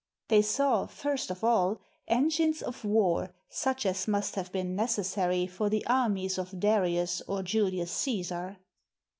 They saw, first of all, engines of war such as must have been necessary for the armies of Darius or JuHus Caesar.